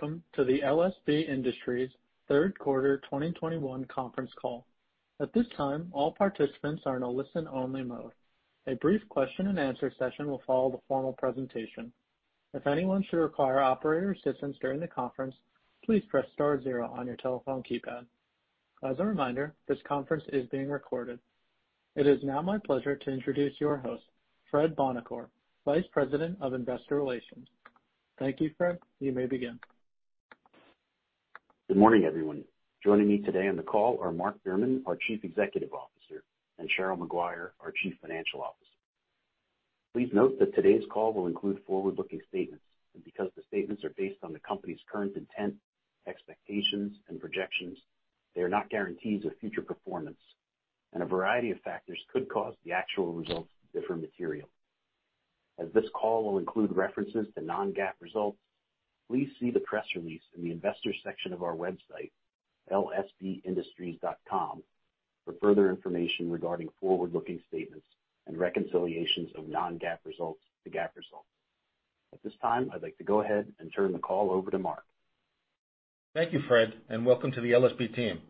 Welcome to the LSB Industries third quarter 2021 conference call. At this time, all participants are in a listen-only mode. A brief question-and-answer session will follow the formal presentation. If anyone should require operator assistance during the conference, please press star zero on your telephone keypad. As a reminder, this conference is being recorded. It is now my pleasure to introduce your host, Fred Buonocore, Vice President of Investor Relations. Thank you, Fred. You may begin. Good morning, everyone. Joining me today on the call are Mark Behrman, our Chief Executive Officer, and Cheryl Maguire, our Chief Financial Officer. Please note that today's call will include forward-looking statements, and because the statements are based on the company's current intent, expectations, and projections, they are not guarantees of future performance, and a variety of factors could cause the actual results to differ materially. As this call will include references to non-GAAP results, please see the press release in the investors section of our website, lsbindustries.com, for further information regarding forward-looking statements and reconciliations of non-GAAP results to GAAP results. At this time, I'd like to go ahead and turn the call over to Mark. Thank you, Fred, and welcome to the LSB team.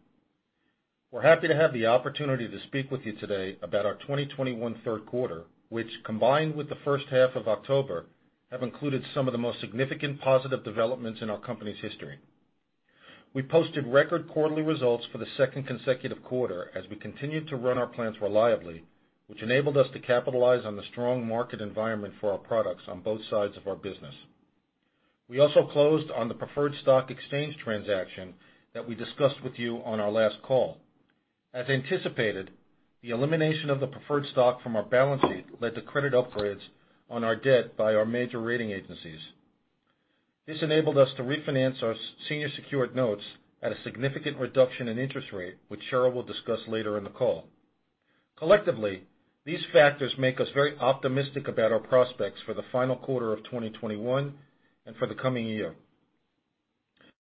We're happy to have the opportunity to speak with you today about our 2021 third quarter, which combined with the first half of October, have included some of the most significant positive developments in our company's history. We posted record quarterly results for the second consecutive quarter as we continued to run our plants reliably, which enabled us to capitalize on the strong market environment for our products on both sides of our business. We also closed on the preferred stock exchange transaction that we discussed with you on our last call. As anticipated, the elimination of the preferred stock from our balance sheet led to credit upgrades on our debt by our major rating agencies. This enabled us to refinance our senior secured notes at a significant reduction in interest rate, which Cheryl will discuss later in the call. Collectively, these factors make us very optimistic about our prospects for the final quarter of 2021 and for the coming year.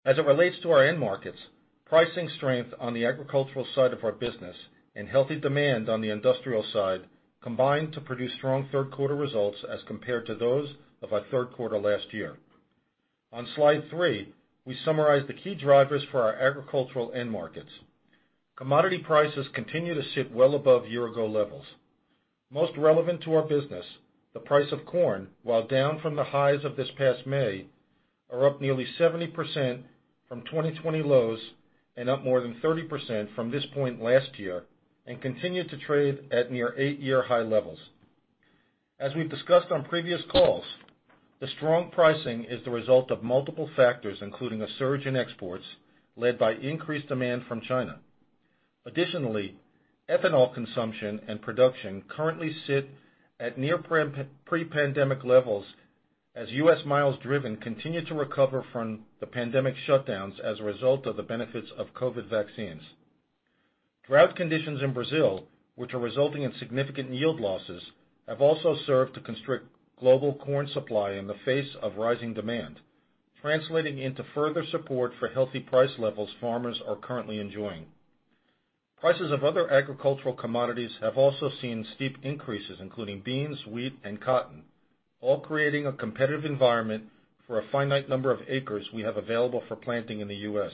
As it relates to our end markets, pricing strength on the agricultural side of our business and healthy demand on the industrial side combined to produce strong third quarter results as compared to those of our third quarter last year. On slide 3, we summarize the key drivers for our agricultural end markets. Commodity prices continue to sit well above year-ago levels. Most relevant to our business, the price of corn, while down from the highs of this past May, are up nearly 70% from 2020 lows and up more than 30% from this point last year and continue to trade at near eight-year high levels. As we've discussed on previous calls, the strong pricing is the result of multiple factors, including a surge in exports led by increased demand from China. Additionally, ethanol consumption and production currently sit at near pre-pandemic levels as U.S. miles driven continue to recover from the pandemic shutdowns as a result of the benefits of COVID vaccines. Drought conditions in Brazil, which are resulting in significant yield losses, have also served to constrict global corn supply in the face of rising demand, translating into further support for healthy price levels farmers are currently enjoying. Prices of other agricultural commodities have also seen steep increases, including beans, wheat, and cotton, all creating a competitive environment for a finite number of acres we have available for planting in the U.S.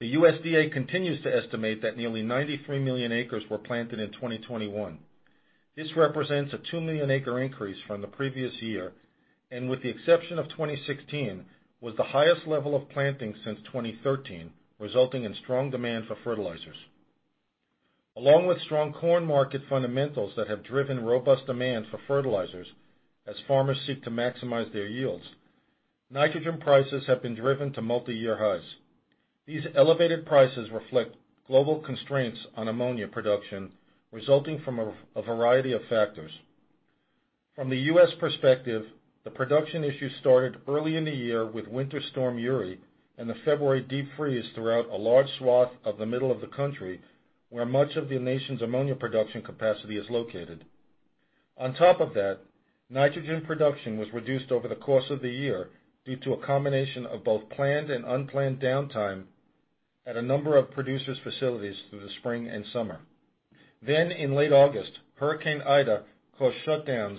The USDA continues to estimate that nearly 93 million acres were planted in 2021. This represents a two million acre increase from the previous year, and with the exception of 2016, was the highest level of planting since 2013, resulting in strong demand for fertilizers. Along with strong corn market fundamentals that have driven robust demand for fertilizers as farmers seek to maximize their yields, nitrogen prices have been driven to multiyear highs. These elevated prices reflect global constraints on ammonia production resulting from a variety of factors. From the U.S. perspective, the production issue started early in the year with Winter Storm Uri and the February deep freeze throughout a large swath of the middle of the country where much of the nation's ammonia production capacity is located. On top of that, nitrogen production was reduced over the course of the year due to a combination of both planned and unplanned downtime at a number of producers' facilities through the spring and summer. In late August, Hurricane Ida caused shutdowns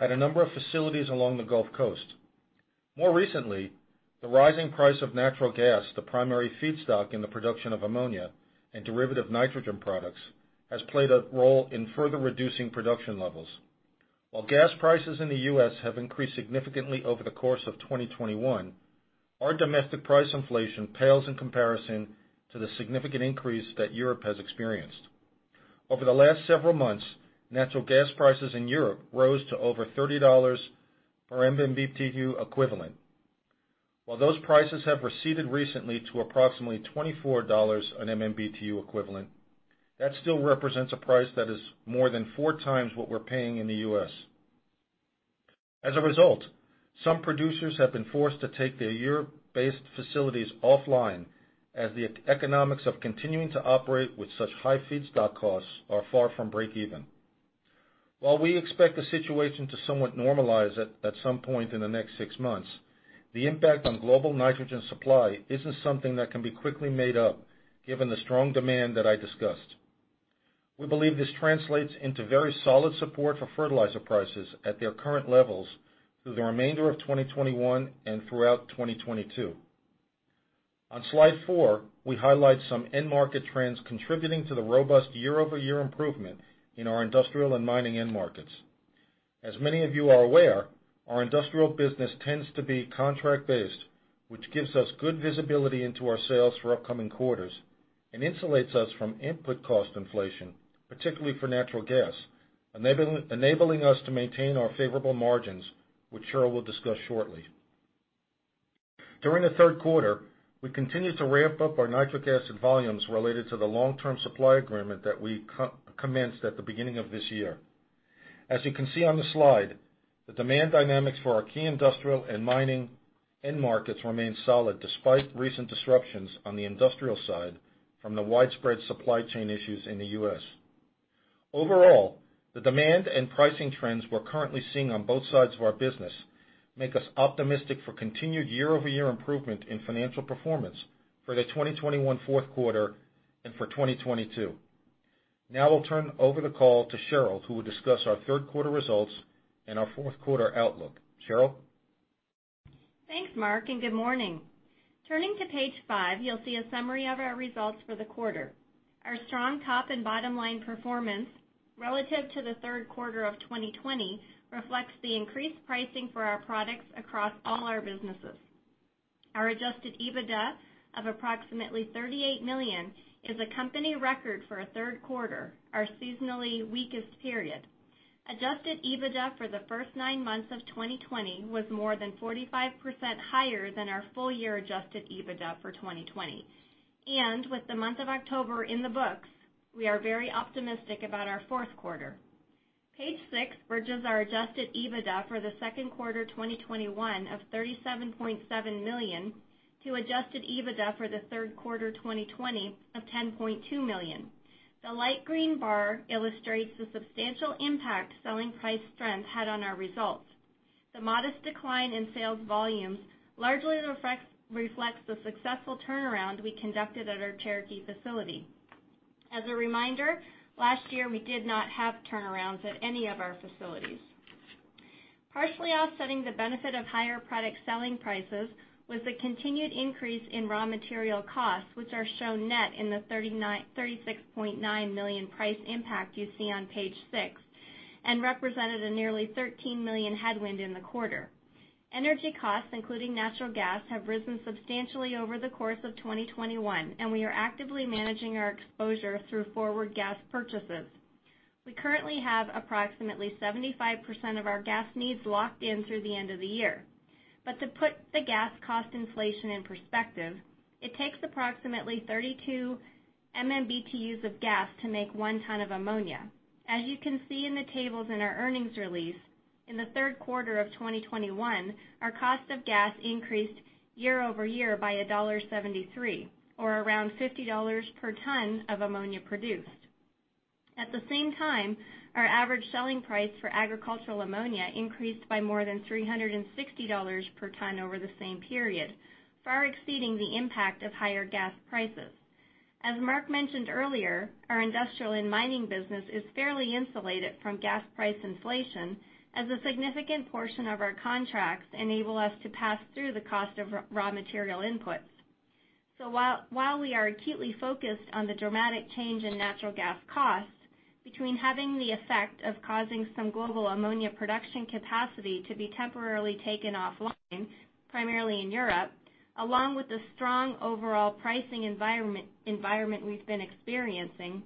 at a number of facilities along the Gulf Coast. More recently, the rising price of natural gas, the primary feedstock in the production of ammonia and derivative nitrogen products, has played a role in further reducing production levels. While gas prices in the U.S. have increased significantly over the course of 2021, our domestic price inflation pales in comparison to the significant increase that Europe has experienced. Over the last several months, natural gas prices in Europe rose to over $30 per MMBtu equivalent. While those prices have receded recently to approximately $24 per MMBtu equivalent, that still represents a price that is more than 4x what we're paying in the U.S. As a result, some producers have been forced to take their Europe-based facilities offline as the economics of continuing to operate with such high feedstock costs are far from breakeven. While we expect the situation to somewhat normalize at some point in the next six months, the impact on global nitrogen supply isn't something that can be quickly made up given the strong demand that I discussed. We believe this translates into very solid support for fertilizer prices at their current levels through the remainder of 2021 and throughout 2022. On slide 4, we highlight some end market trends contributing to the robust year-over-year improvement in our industrial and mining end markets. As many of you are aware, our industrial business tends to be contract-based, which gives us good visibility into our sales for upcoming quarters and insulates us from input cost inflation, particularly for natural gas, enabling us to maintain our favorable margins, which Cheryl will discuss shortly. During the third quarter, we continued to ramp up our nitric acid volumes related to the long-term supply agreement that we co-commenced at the beginning of this year. As you can see on the slide, the demand dynamics for our key industrial and mining end markets remain solid despite recent disruptions on the industrial side from the widespread supply chain issues in the U.S. Overall, the demand and pricing trends we're currently seeing on both sides of our business make us optimistic for continued year-over-year improvement in financial performance for the 2021 fourth quarter and for 2022. Now I'll turn over the call to Cheryl, who will discuss our third quarter results and our fourth quarter outlook. Cheryl? Thanks, Mark, and good morning. Turning to page 5, you'll see a summary of our results for the quarter. Our strong top and bottom line performance relative to the third quarter of 2020 reflects the increased pricing for our products across all our businesses. Our Adjusted EBITDA of approximately $38 million is a company record for a third quarter, our seasonally weakest period. Adjusted EBITDA for the first nine months of 2020 was more than 45% higher than our full year Adjusted EBITDA for 2020. With the month of October in the books, we are very optimistic about our fourth quarter. Page 6 bridges our Adjusted EBITDA for the second quarter 2021 of $37.7 million to Adjusted EBITDA for the third quarter of 2020 of $10.2 million. The light green bar illustrates the substantial impact selling price trends had on our results. The modest decline in sales volumes largely reflects the successful turnaround we conducted at our Cherokee facility. As a reminder, last year, we did not have turnarounds at any of our facilities. Partially offsetting the benefit of higher product selling prices was the continued increase in raw material costs, which are shown net in the $36.9 million price impact you see on page 6 and represented a nearly $13 million headwind in the quarter. Energy costs, including natural gas, have risen substantially over the course of 2021, and we are actively managing our exposure through forward gas purchases. We currently have approximately 75% of our gas needs locked in through the end of the year. To put the gas cost inflation in perspective, it takes approximately 32 MMBtu of gas to make one ton of ammonia. As you can see in the tables in our earnings release, in the third quarter of 2021, our cost of gas increased year-over-year by $1.73 or around $50 per ton of ammonia produced. At the same time, our average selling price for agricultural ammonia increased by more than $360 per ton over the same period, far exceeding the impact of higher gas prices. As Mark mentioned earlier, our industrial and mining business is fairly insulated from gas price inflation as a significant portion of our contracts enable us to pass through the cost of raw material inputs. While we are acutely focused on the dramatic change in natural gas costs between having the effect of causing some global ammonia production capacity to be temporarily taken offline, primarily in Europe, along with the strong overall pricing environment we've been experiencing,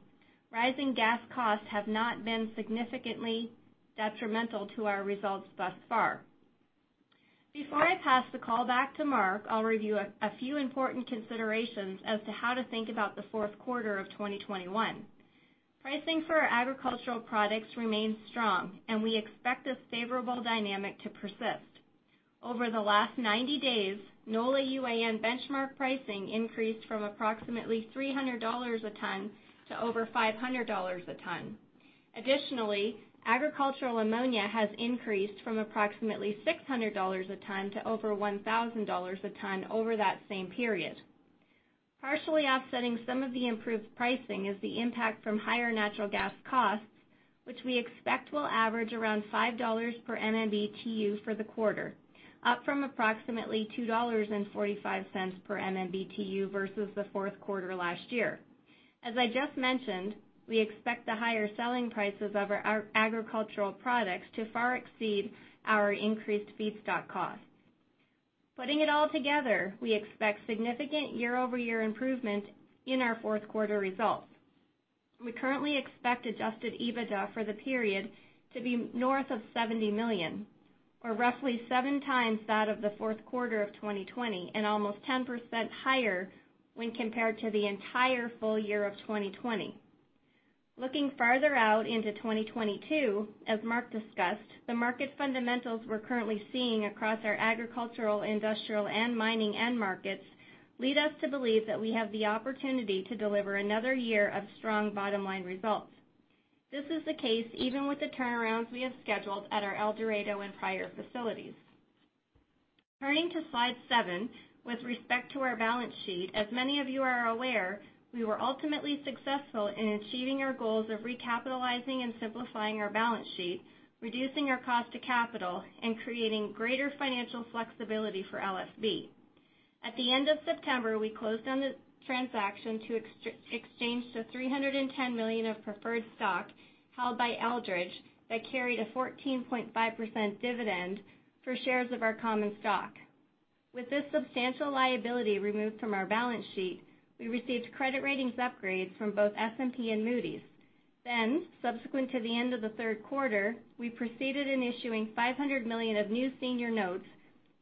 rising gas costs have not been significantly detrimental to our results thus far. Before I pass the call back to Mark, I'll review a few important considerations as to how to think about the fourth quarter of 2021. Pricing for our agricultural products remains strong, and we expect this favorable dynamic to persist. Over the last 90 days, NOLA UAN benchmark pricing increased from approximately $300 a ton to over $500 a ton. Additionally, agricultural ammonia has increased from approximately $600 a ton to over $1,000 a ton over that same period. Partially offsetting some of the improved pricing is the impact from higher natural gas costs, which we expect will average around $5 per MMBtu for the quarter, up from approximately $2.45 per MMBtu versus the fourth quarter last year. As I just mentioned, we expect the higher selling prices of our agricultural products to far exceed our increased feedstock costs. Putting it all together, we expect significant year-over-year improvement in our fourth quarter results. We currently expect Adjusted EBITDA for the period to be north of $70 million, or roughly 7x that of the fourth quarter of 2020 and almost 10% higher when compared to the entire full year of 2020. Looking farther out into 2022, as Mark discussed, the market fundamentals we're currently seeing across our agricultural, industrial, and mining end markets lead us to believe that we have the opportunity to deliver another year of strong bottom-line results. This is the case even with the turnarounds we have scheduled at our El Dorado and Pryor facilities. Turning to slide 7, with respect to our balance sheet, as many of you are aware, we were ultimately successful in achieving our goals of recapitalizing and simplifying our balance sheet, reducing our cost to capital, and creating greater financial flexibility for LSB. At the end of September, we closed on the transaction to exchange the $310 million of preferred stock held by Eldridge that carried a 14.5% dividend for shares of our common stock. With this substantial liability removed from our balance sheet, we received credit ratings upgrades from both S&P and Moody's. Subsequent to the end of the third quarter, we proceeded in issuing $500 million of new senior notes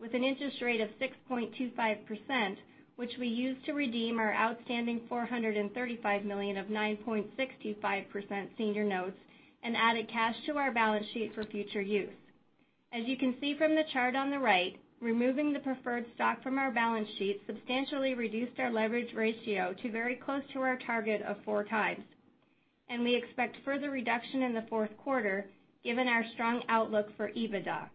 with an interest rate of 6.25%, which we used to redeem our outstanding $435 million of 9.625% senior notes and added cash to our balance sheet for future use. As you can see from the chart on the right, removing the preferred stock from our balance sheet substantially reduced our leverage ratio to very close to our target of 4x. We expect further reduction in the fourth quarter given our strong outlook for EBITDA.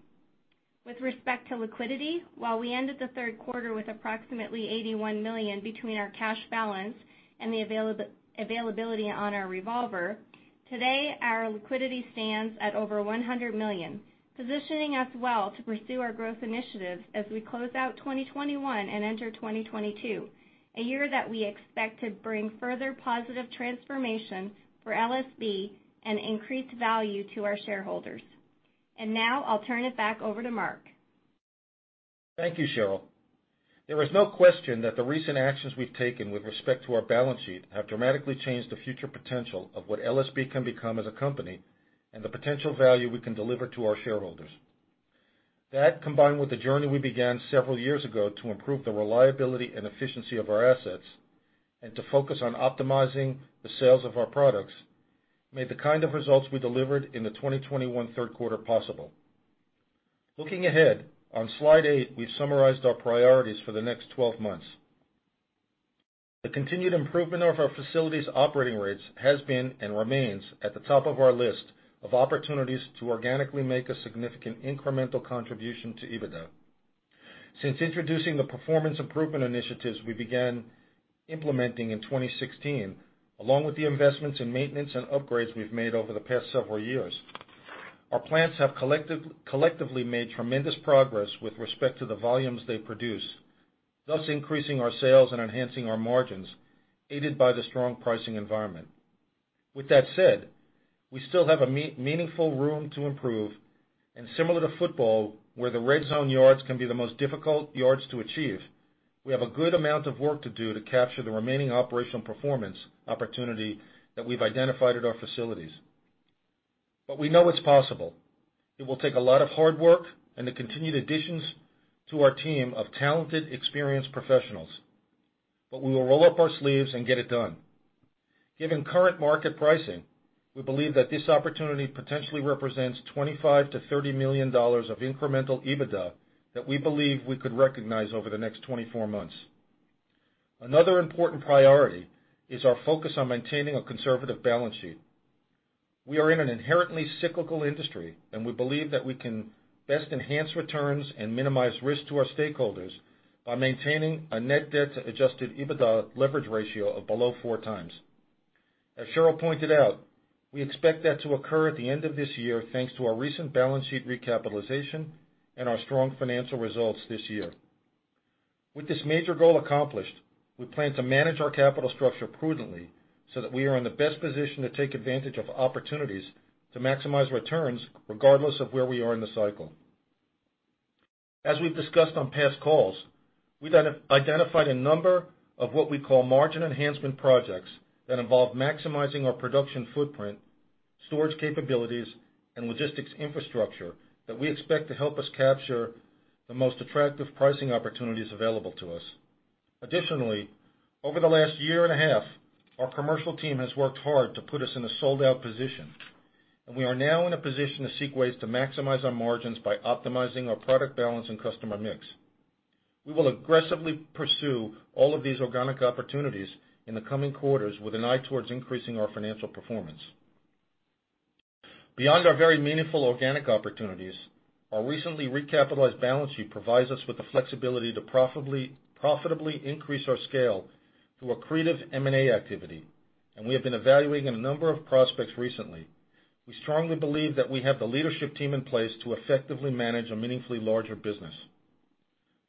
With respect to liquidity, while we ended the third quarter with approximately $81 million between our cash balance and the availability on our revolver, today, our liquidity stands at over $100 million, positioning us well to pursue our growth initiatives as we close out 2021 and enter 2022, a year that we expect to bring further positive transformation for LSB and increased value to our shareholders. Now I'll turn it back over to Mark. Thank you, Cheryl. There is no question that the recent actions we've taken with respect to our balance sheet have dramatically changed the future potential of what LSB can become as a company and the potential value we can deliver to our shareholders. That, combined with the journey we began several years ago to improve the reliability and efficiency of our assets and to focus on optimizing the sales of our products, made the kind of results we delivered in the 2021 third quarter possible. Looking ahead, on slide 8, we've summarized our priorities for the next 12 months. The continued improvement of our facility's operating rates has been and remains at the top of our list of opportunities to organically make a significant incremental contribution to EBITDA. Since introducing the performance improvement initiatives we began implementing in 2016, along with the investments in maintenance and upgrades we've made over the past several years, our plants have collectively made tremendous progress with respect to the volumes they produce, thus increasing our sales and enhancing our margins, aided by the strong pricing environment. With that said, we still have a meaningful room to improve, and similar to football, where the red zone yards can be the most difficult yards to achieve, we have a good amount of work to do to capture the remaining operational performance opportunity that we've identified at our facilities. We know it's possible. It will take a lot of hard work and the continued additions to our team of talented, experienced professionals. We will roll up our sleeves and get it done. Given current market pricing, we believe that this opportunity potentially represents $25 million to $30 million of incremental EBITDA that we believe we could recognize over the next 24 months. Another important priority is our focus on maintaining a conservative balance sheet. We are in an inherently cyclical industry, and we believe that we can best enhance returns and minimize risk to our stakeholders by maintaining a net debt to Adjusted EBITDA leverage ratio of below 4x. As Cheryl pointed out, we expect that to occur at the end of this year thanks to our recent balance sheet recapitalization and our strong financial results this year. With this major goal accomplished, we plan to manage our capital structure prudently so that we are in the best position to take advantage of opportunities to maximize returns regardless of where we are in the cycle. As we've discussed on past calls, we've identified a number of what we call margin enhancement projects that involve maximizing our production footprint, storage capabilities, and logistics infrastructure that we expect to help us capture the most attractive pricing opportunities available to us. Additionally, over the last year and a half, our commercial team has worked hard to put us in a sold-out position, and we are now in a position to seek ways to maximize our margins by optimizing our product balance and customer mix. We will aggressively pursue all of these organic opportunities in the coming quarters with an eye towards increasing our financial performance. Beyond our very meaningful organic opportunities, our recently recapitalized balance sheet provides us with the flexibility to profitably increase our scale through accretive M&A activity, and we have been evaluating a number of prospects recently. We strongly believe that we have the leadership team in place to effectively manage a meaningfully larger business.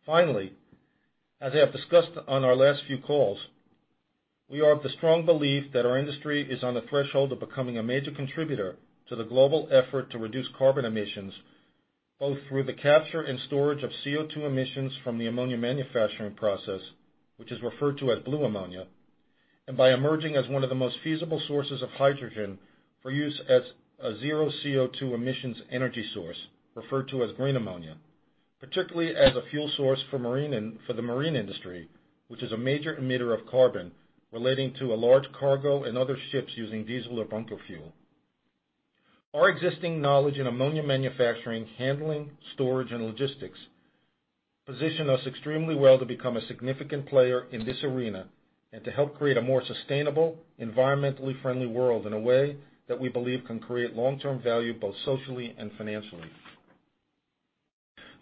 Finally, as I have discussed on our last few calls, we are of the strong belief that our industry is on the threshold of becoming a major contributor to the global effort to reduce carbon emissions, both through the capture and storage of CO₂ emissions from the ammonia manufacturing process, which is referred to as Blue Ammonia. By emerging as one of the most feasible sources of hydrogen for use as a zero CO₂ emissions energy source, referred to as Green Ammonia, particularly as a fuel source for the marine industry, which is a major emitter of carbon relating to a large cargo and other ships using diesel or bunker fuel. Our existing knowledge in ammonia manufacturing, handling, storage, and logistics position us extremely well to become a significant player in this arena to help create a more sustainable, environmentally friendly world in a way that we believe can create long-term value, both socially and financially.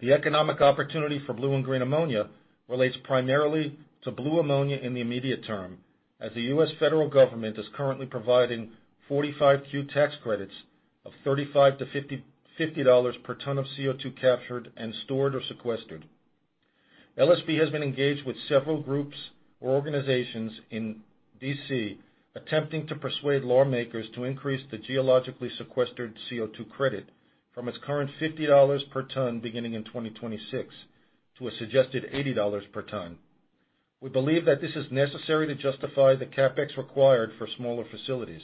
The economic opportunity for Blue and Green Ammonia relates primarily to Blue Ammonia in the immediate term, as the U.S. federal government is currently providing 45Q tax credits of $35-$50 per ton of CO₂ captured and stored or sequestered. LSB has been engaged with several groups or organizations in D.C. attempting to persuade lawmakers to increase the geologically sequestered CO₂ credit from its current $50 per ton beginning in 2026 to a suggested $80 per ton. We believe that this is necessary to justify the CapEx required for smaller facilities.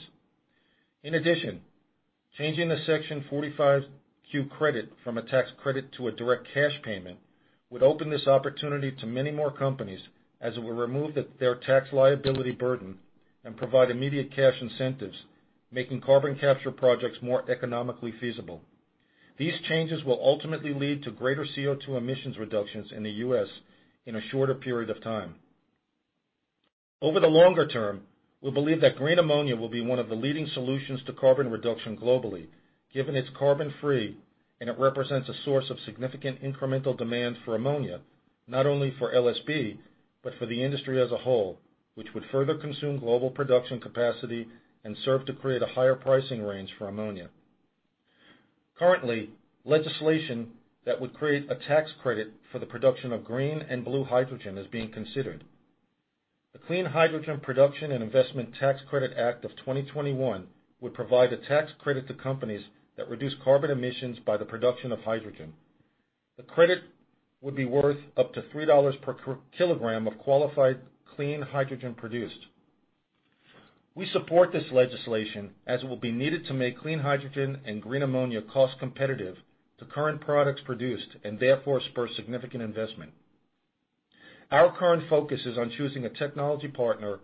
In addition, changing the Section 45Q credit from a tax credit to a direct cash payment would open this opportunity to many more companies as it will remove their tax liability burden and provide immediate cash incentives, making carbon capture projects more economically feasible. These changes will ultimately lead to greater CO₂ emissions reductions in the U.S. in a shorter period of time. Over the longer term, we believe that Green Ammonia will be one of the leading solutions to carbon reduction globally, given it's carbon-free and it represents a source of significant incremental demand for ammonia, not only for LSB, but for the industry as a whole, which would further consume global production capacity and serve to create a higher pricing range for ammonia. Currently, legislation that would create a tax credit for the production of green and blue hydrogen is being considered. The Clean Hydrogen Production and Investment Tax Credit Act of 2021 would provide a tax credit to companies that reduce carbon emissions by the production of hydrogen. The credit would be worth up to $3 per kilogram of qualified clean hydrogen produced. We support this legislation as it will be needed to make clean hydrogen and green ammonia cost competitive to current products produced, and therefore spur significant investment. Our current focus is on choosing a technology partner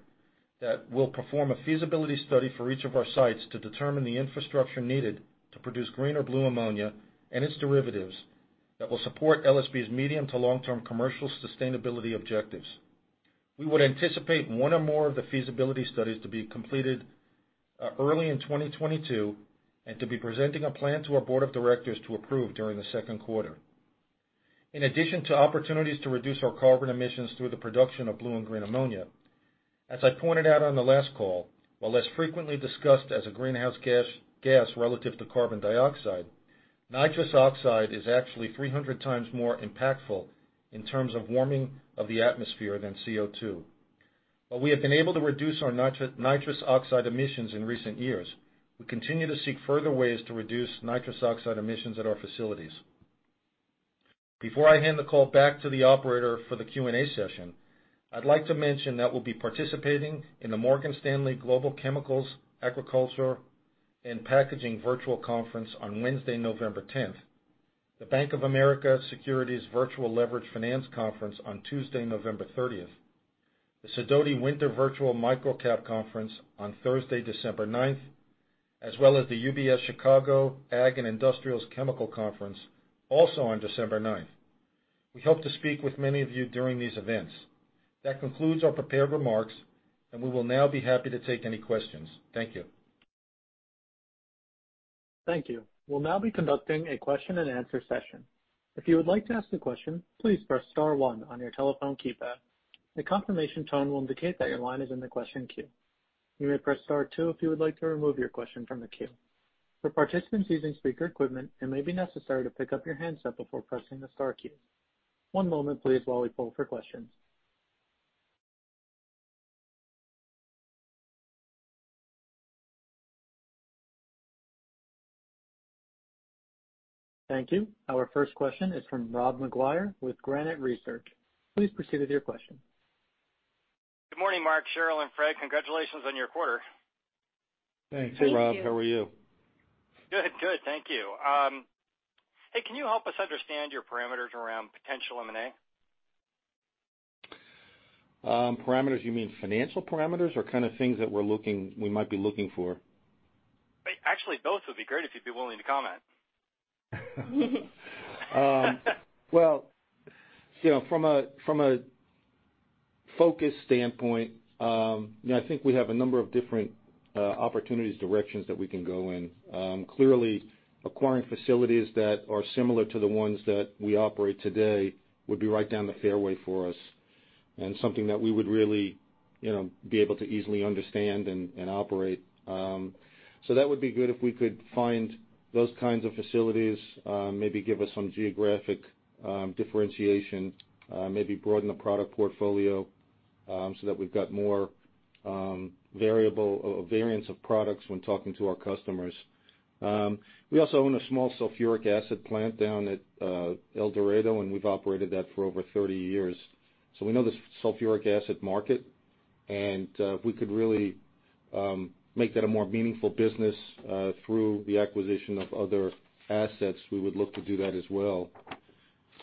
that will perform a feasibility study for each of our sites to determine the infrastructure needed to produce green or blue ammonia and its derivatives that will support LSB's medium to long-term commercial sustainability objectives. We would anticipate one or more of the feasibility studies to be completed early in 2022, and to be presenting a plan to our board of directors to approve during the second quarter. In addition to opportunities to reduce our carbon emissions through the production of Blue and Green Ammonia, as I pointed out on the last call, while less frequently discussed as a greenhouse gas relative to carbon dioxide, Nitrous Oxide is actually 300x more impactful in terms of warming of the atmosphere than CO₂. While we have been able to reduce our Nitrous Oxide emissions in recent years, we continue to seek further ways to reduce Nitrous Oxide emissions at our facilities. Before I hand the call back to the operator for the Q&A session, I'd like to mention that we'll be participating in the Morgan Stanley Global Chemicals, Agriculture, and Packaging Virtual Conference on Wednesday, November 10. The Bank of America Securities Virtual Leveraged Finance Conference on Tuesday, November 30. The Sidoti Winter Virtual Microcap Conference on Thursday, December 9, as well as the UBS Chicago Ag and Industrials Chemical Conference, also on December 9. We hope to speak with many of you during these events. That concludes our prepared remarks, and we will now be happy to take any questions. Thank you. Thank you. We'll now be conducting a question-and-answer session. Thank you. Our first question is from Rob McGuire with Granite Research. Please proceed with your question. Good morning, Mark, Cheryl, and Fred. Congratulations on your quarter. Thanks. Hey, Rob, how are you? Good. Good, thank you. Hey, can you help us understand your parameters around potential M&A? Parameters, you mean financial parameters or kind of things that we might be looking for? Actually, both would be great if you'd be willing to comment. Well, you know, from a focus standpoint, you know, I think we have a number of different opportunities, directions that we can go in. Clearly acquiring facilities that are similar to the ones that we operate today would be right down the fairway for us, and something that we would really, you know, be able to easily understand and operate. So that would be good if we could find those kinds of facilities, maybe give us some geographic differentiation, maybe broaden the product portfolio, so that we've got more variable or variance of products when talking to our customers. We also own a small sulfuric acid plant down at El Dorado, and we've operated that for over 30 years. We know the sulfuric acid market, and if we could really make that a more meaningful business through the acquisition of other assets, we would look to do that as well.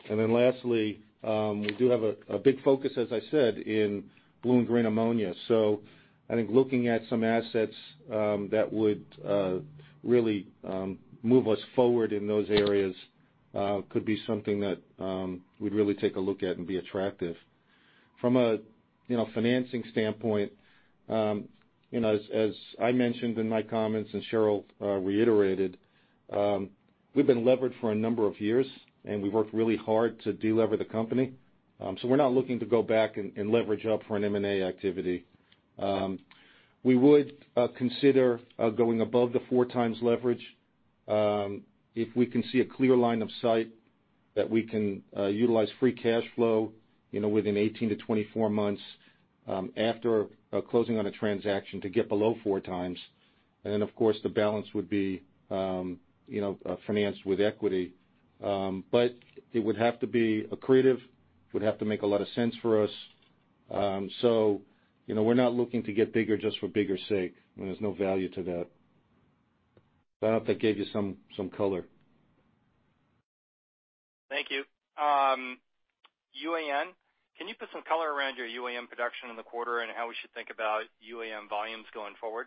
Then lastly, we do have a big focus, as I said, in Blue and Green Ammonia. I think looking at some assets that would really move us forward in those areas could be something that we'd really take a look at and be attractive. From a, you know, financing standpoint, you know, as I mentioned in my comments and Cheryl reiterated, we've been levered for a number of years, and we've worked really hard to delever the company. We're not looking to go back and leverage up for an M&A activity. We would consider going above the 4x leverage, if we can see a clear line of sight that we can utilize free cash flow, you know, within 18-24 months, after closing on a transaction to get below 4x. Then, of course, the balance would be, you know, financed with equity. It would have to be accretive, would have to make a lot of sense for us. You know, we're not looking to get bigger just for bigger sake when there's no value to that. I don't know if that gave you some color. Thank you. UAN, can you put some color around your UAN production in the quarter and how we should think about UAN volumes going forward?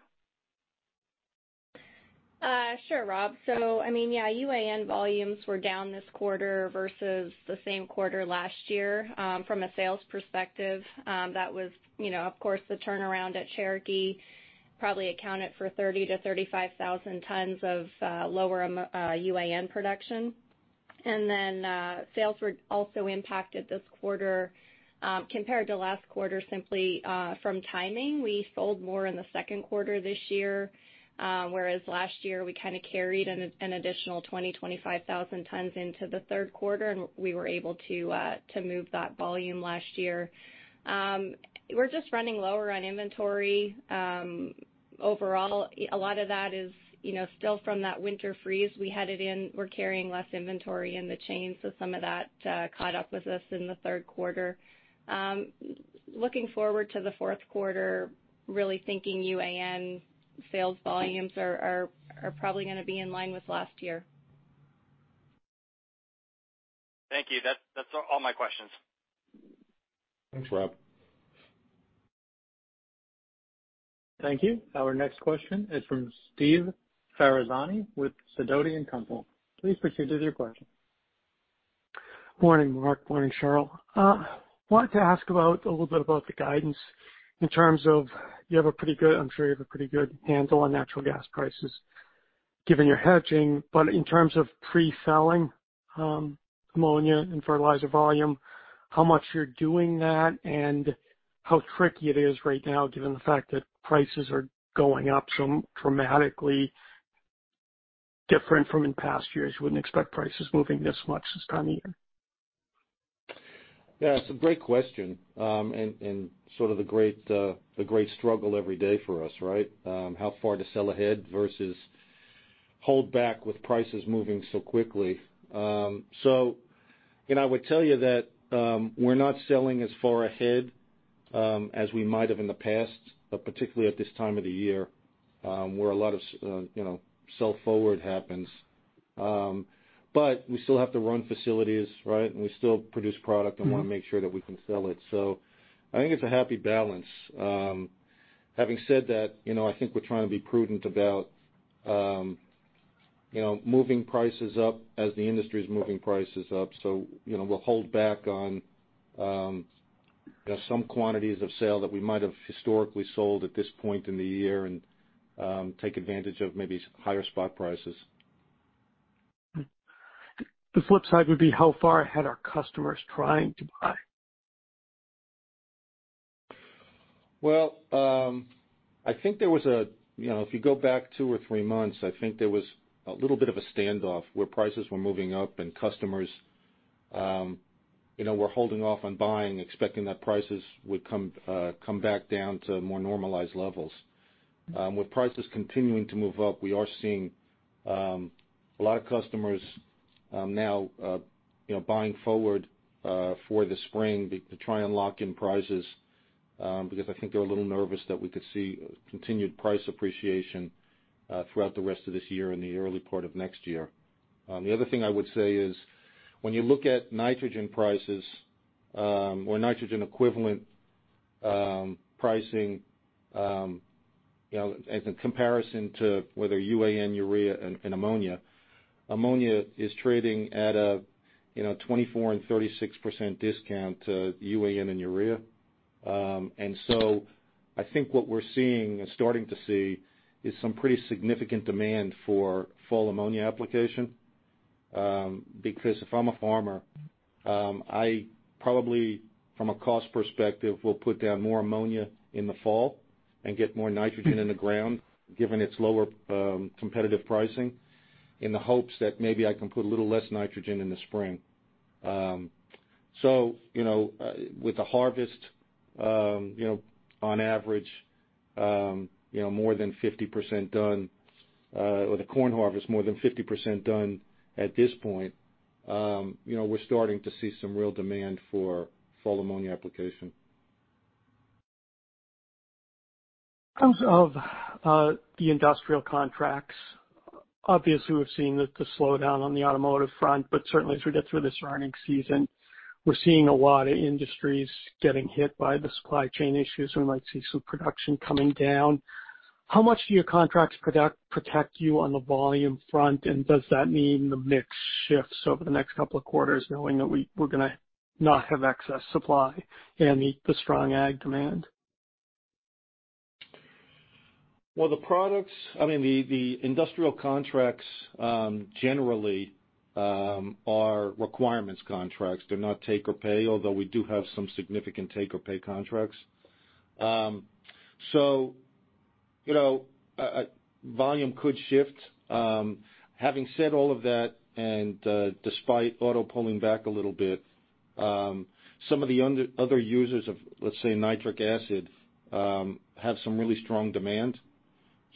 Sure, Rob. I mean, yeah, UAN volumes were down this quarter versus the same quarter last year. From a sales perspective, that was, you know, of course, the turnaround at Cherokee probably accounted for 30-35,000 tons of lower UAN production. Sales were also impacted this quarter compared to last quarter simply from timing. We sold more in the second quarter this year, whereas last year, we kind of carried an additional 20,000-25,000 tons into the third quarter, and we were able to move that volume last year. We're just running lower on inventory. Overall, a lot of that is, you know, still from that winter freeze we had in. We're carrying less inventory in the chain, so some of that caught up with us in the third quarter. Looking forward to the fourth quarter, really thinking UAN sales volumes are probably gonna be in line with last year. Thank you. That's all my questions. Thanks, Rob. Thank you. Our next question is from Steve Ferazani with Sidoti & Company. Please proceed with your question. Morning, Mark. Morning, Cheryl. Wanted to ask about a little bit about the guidance in terms of you have a pretty good handle on natural gas prices given your hedging. In terms of pre-selling ammonia and fertilizer volume, how much you're doing that and how tricky it is right now given the fact that prices are going up so dramatically different from in past years. You wouldn't expect prices moving this much this time of year. Yeah, it's a great question, and sort of the great struggle every day for us, right? How far to sell ahead versus hold back with prices moving so quickly. You know, I would tell you that we're not selling as far ahead as we might have in the past, but particularly at this time of the year, where a lot of sell forward happens. We still have to run facilities, right? We still produce product and wanna make sure that we can sell it. I think it's a happy balance. Having said that, you know, I think we're trying to be prudent about you know, moving prices up as the industry's moving prices up. You know, we'll hold back on some quantities for sale that we might have historically sold at this point in the year and take advantage of maybe higher spot prices. The flip side would be how far ahead are customers trying to buy? Well, I think there was a you know, if you go back two or three months, I think there was a little bit of a standoff where prices were moving up and customers, you know, were holding off on buying, expecting that prices would come back down to more normalized levels. With prices continuing to move up, we are seeing a lot of customers now, you know, buying forward for the spring to try and lock in prices, because I think they're a little nervous that we could see continued price appreciation throughout the rest of this year and the early part of next year. The other thing I would say is when you look at nitrogen prices, or nitrogen equivalent pricing, you know, as a comparison to UAN, urea and ammonia is trading at a 24% and 36% discount to UAN and urea. I think what we're seeing and starting to see is some pretty significant demand for fall ammonia application. Because if I'm a farmer, I probably from a cost perspective will put down more ammonia in the fall and get more nitrogen in the ground given its lower competitive pricing in the hopes that maybe I can put a little less nitrogen in the spring. You know, with the harvest, you know, on average, you know, more than 50% done, or the corn harvest more than 50% done at this point, you know, we're starting to see some real demand for fall ammonia application. In terms of the industrial contracts, obviously we're seeing the slowdown on the automotive front, but certainly as we get through this earnings season, we're seeing a lot of industries getting hit by the supply chain issues. We might see some production coming down. How much do your contracts protect you on the volume front, and does that mean the mix shifts over the next couple of quarters knowing that we're gonna not have excess supply and meet the strong ag demand? Well, the products—I mean, the industrial contracts generally are requirements contracts. They're not take or pay, although we do have some significant take or pay contracts. You know, volume could shift. Having said all of that, despite auto pulling back a little bit, some of the other users of, let's say, nitric acid, have some really strong demand.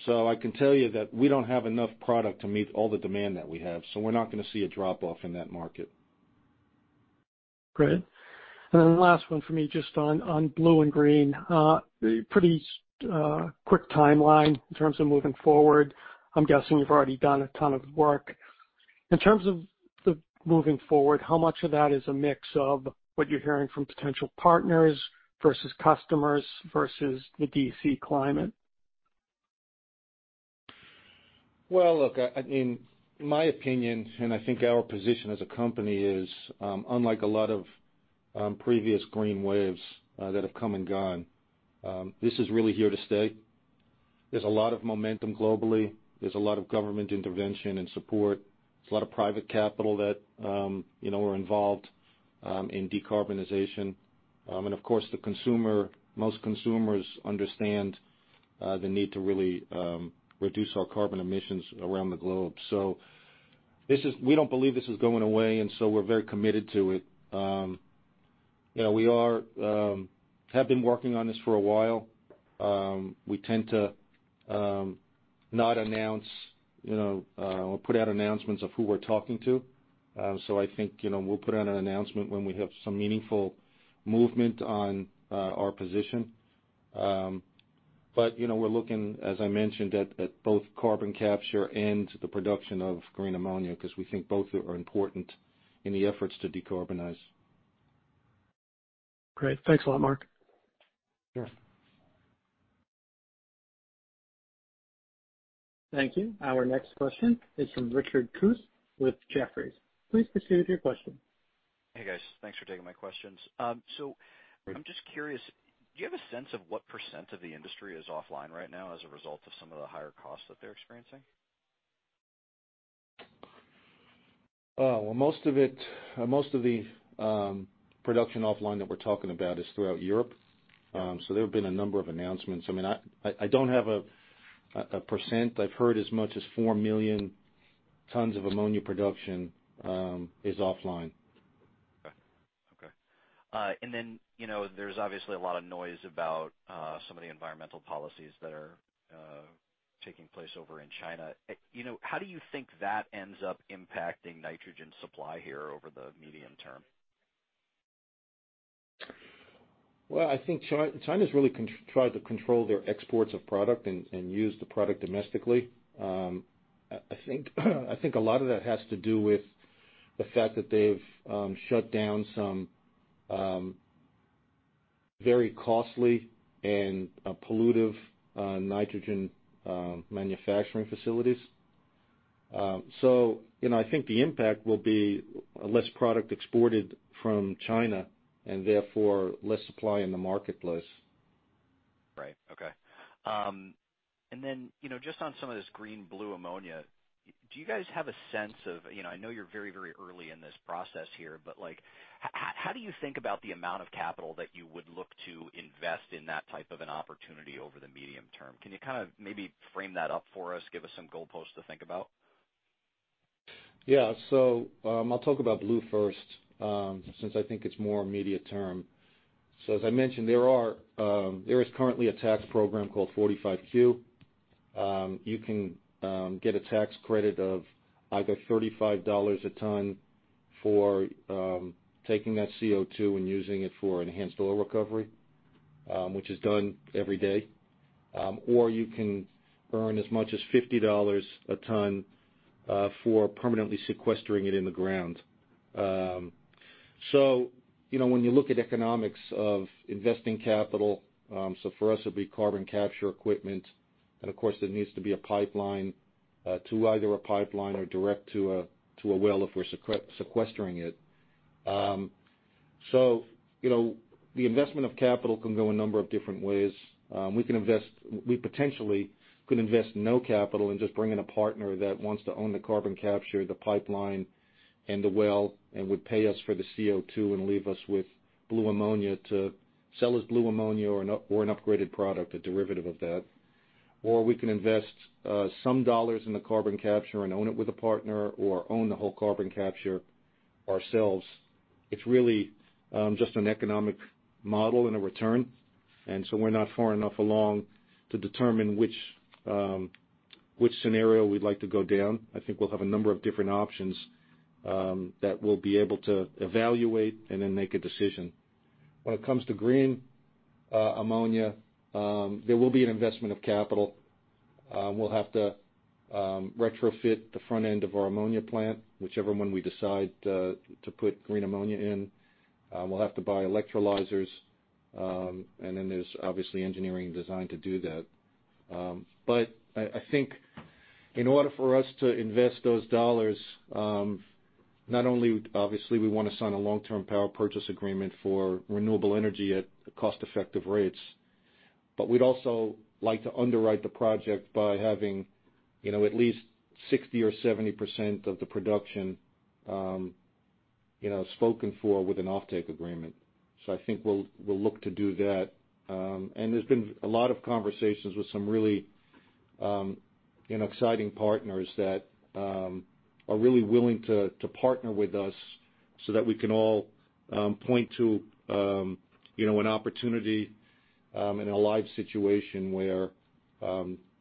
I can tell you that we don't have enough product to meet all the demand that we have, so we're not gonna see a drop-off in that market. Great. Last one for me, just on Blue and Green. Pretty quick timeline in terms of moving forward. I'm guessing you've already done a ton of work. In terms of the moving forward, how much of that is a mix of what you're hearing from potential partners versus customers versus the D.C. climate? Well, look, I mean, in my opinion, I think our position as a company is unlike a lot of previous green waves that have come and gone. This is really here to stay. There's a lot of momentum globally. There's a lot of government intervention and support. There's a lot of private capital that, you know, are involved in decarbonization. Of course, most consumers understand the need to really reduce our carbon emissions around the globe. We don't believe this is going away, and so we're very committed to it. You know, we have been working on this for a while. We tend to not announce, you know, or put out announcements of who we're talking to. I think, you know, we'll put out an announcement when we have some meaningful movement on our position. You know, we're looking, as I mentioned, at both carbon capture and the production of Green Ammonia 'cause we think both are important in the efforts to decarbonize. Great. Thanks a lot, Mark. Sure. Thank you. Our next question is from Richard Kus with Jefferies. Please proceed with your question. Hey, guys. Thanks for taking my questions. I'm just curious, do you have a sense of what percent of the industry is offline right now as a result of some of the higher costs that they're experiencing? Well, most of the production offline that we're talking about is throughout Europe. There have been a number of announcements. I mean, I don't have a percent. I've heard as much as four million tons of ammonia production is offline. Okay. You know, there's obviously a lot of noise about some of the environmental policies that are taking place over in China. You know, how do you think that ends up impacting nitrogen supply here over the medium term? Well, I think China's really tried to control their exports of product and use the product domestically. I think a lot of that has to do with the fact that they've shut down some very costly and pollutive nitrogen manufacturing facilities. You know, I think the impact will be less product exported from China and therefore less supply in the marketplace. Right. Okay. you know, just on some of this Green, Blue ammonia, do you guys have a sense of, you know, I know you're very, very early in this process here, but like, how do you think about the amount of capital that you would look to invest in that type of an opportunity over the medium term? Can you kind of maybe frame that up for us, give us some goalposts to think about? Yeah. I'll talk about blue first, since I think it's more immediate term. As I mentioned, there is currently a tax program called 45Q. You can get a tax credit of either $35 a ton for taking that CO₂ and using it for enhanced oil recovery, which is done every day. Or you can earn as much as $50 a ton for permanently sequestering it in the ground. You know, when you look at economics of investing capital, for us it'll be carbon capture equipment, and of course, there needs to be a pipeline to either a pipeline or direct to a well if we're sequestering it. You know, the investment of capital can go a number of different ways. We potentially could invest no capital and just bring in a partner that wants to own the carbon capture, the pipeline, and the well, and would pay us for the CO₂ and leave us with Blue Ammonia to sell as Blue Ammonia or an upgraded product, a derivative of that. Or we can invest some dollars in the carbon capture and own it with a partner or own the whole carbon capture ourselves. It's really just an economic model and a return. We're not far enough along to determine which scenario we'd like to go down. I think we'll have a number of different options that we'll be able to evaluate and then make a decision. When it comes to Green Ammonia, there will be an investment of capital. We'll have to retrofit the front end of our ammonia plant, whichever one we decide to put Green Ammonia in. We'll have to buy electrolyzers, and then there's obviously engineering design to do that. I think in order for us to invest those dollars, not only obviously we wanna sign a long-term power purchase agreement for renewable energy at cost-effective rates, but we'd also like to underwrite the project by having, you know, at least 60% or 70% of the production, you know, spoken for with an offtake agreement. I think we'll look to do that. There's been a lot of conversations with some really, you know, exciting partners that are really willing to partner with us so that we can all point to, you know, an opportunity and a live situation where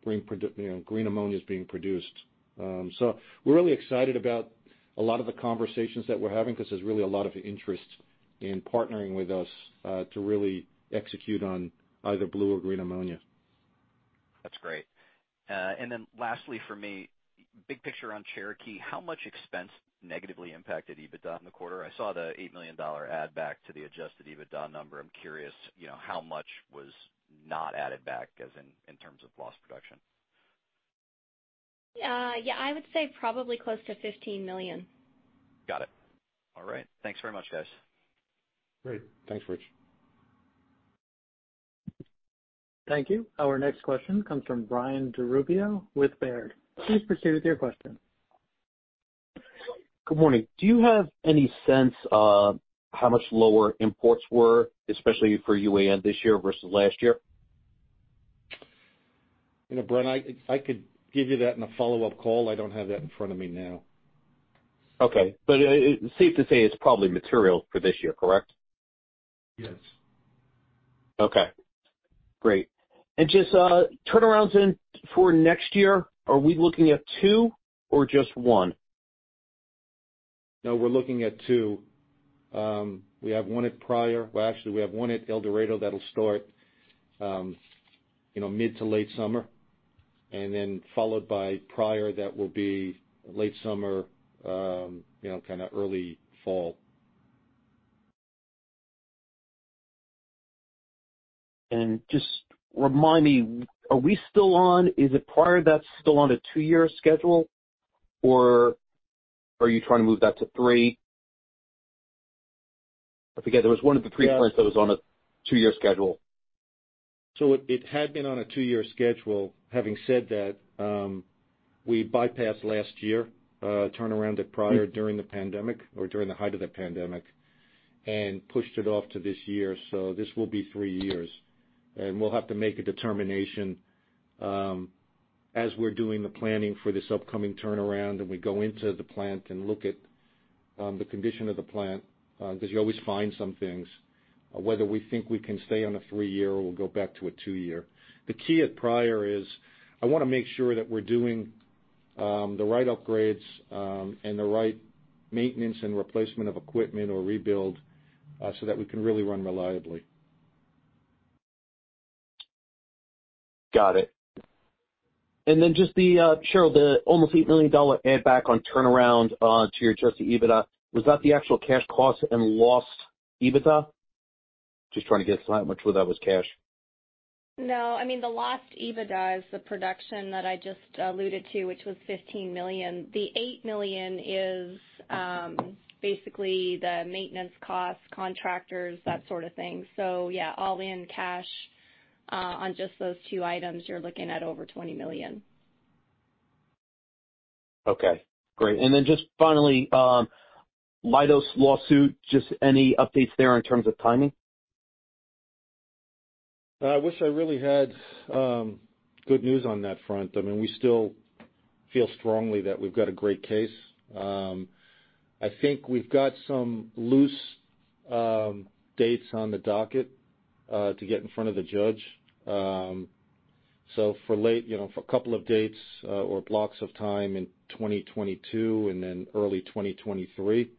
Green Ammonia is being produced. We're really excited about a lot of the conversations that we're having 'cause there's really a lot of interest in partnering with us to really execute on either Blue or Green Ammonia. That's great. Lastly for me, big picture on Cherokee. How much expense negatively impacted EBITDA in the quarter? I saw the $8 million add back to the Adjusted EBITDA number. I'm curious, you know, how much was not added back as in terms of lost production. Yeah, I would say probably close to $15 million. Got it. All right. Thanks very much, guys. Great. Thanks, Richard. Thank you. Our next question comes from Brian DiRubbio with Baird. Please proceed with your question. Good morning. Do you have any sense of how much lower imports were, especially for UAN this year versus last year? You know, Brian, I could give you that in a follow-up call. I don't have that in front of me now. Okay. Safe to say it's probably material for this year, correct? Yes. Okay. Great. Just turnarounds in for next year, are we looking at two or just one? No, we're looking at two. We have one at Pryor. Well, actually we have one at El Dorado that'll start, you know, mid to late summer, and then followed by Pryor that will be late summer, you know, kinda early fall. Just remind me, are we still on? Is it Pryor that's still on a two-year schedule, or are you trying to move that to three? I forget, there was one of the three plants that was on a two-year schedule. It had been on a two-year schedule. Having said that, we bypassed last year turnaround at Pryor during the pandemic or during the height of the pandemic and pushed it off to this year. This will be three years. We'll have to make a determination as we're doing the planning for this upcoming turnaround, and we go into the plant and look at the condition of the plant 'cause you always find some things, whether we think we can stay on a three-year or we'll go back to a two-year. The key at Pryor is I wanna make sure that we're doing the right upgrades and the right maintenance and replacement of equipment or rebuild so that we can really run reliably. Got it. Just the, Cheryl, the almost $8 million add back on turnaround to your Adjusted EBITDA, was that the actual cash cost and lost EBITDA? Just trying to get how much of that was cash. No. I mean, the lost EBITDA is the production that I just alluded to, which was $15 million. The eight million is basically the maintenance costs, contractors, that sort of thing. Yeah, all in cash, on just those two items, you're looking at over $20 million. Okay, great. Just finally, Leidos lawsuit, just any updates there in terms of timing? I wish I really had good news on that front. I mean, we still feel strongly that we've got a great case. I think we've got some loose dates on the docket to get in front of the judge. For late 2022, you know, for a couple of dates or blocks of time in 2022 and then early 2023.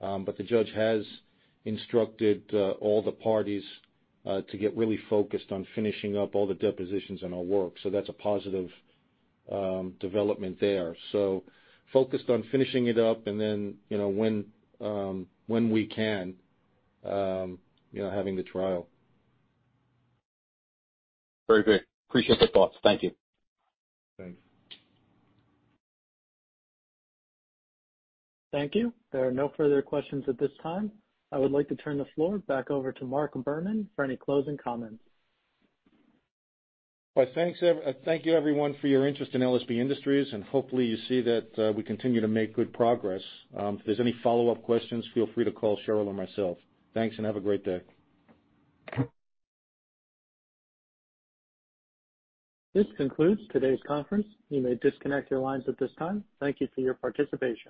The judge has instructed all the parties to get really focused on finishing up all the depositions and our work. That's a positive development there, focused on finishing it up and then, you know, when we can, you know, having the trial. Very good. Appreciate the thoughts. Thank you. Thanks. Thank you. There are no further questions at this time. I would like to turn the floor back over to Mark Behrman for any closing comments. Well, thanks. Thank you everyone for your interest in LSB Industries, and hopefully you see that we continue to make good progress. If there's any follow-up questions, feel free to call Cheryl or myself. Thanks, and have a great day. This concludes today's conference. You may disconnect your lines at this time. Thank you for your participation.